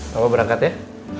papa berangkat ya